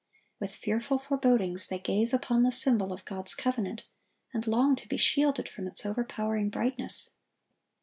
With fearful forebodings they gaze upon the symbol of God's covenant, and long to be shielded from its overpowering brightness.